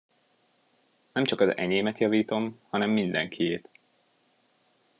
Nem csak az enyémet javítom, hanem mindenkiét.